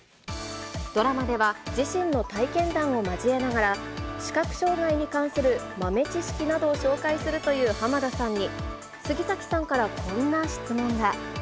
ドラマでは、自身の体験談を交えながら、視覚障害に関する豆知識などを紹介するという濱田さんに、杉咲さんからこんな質問が。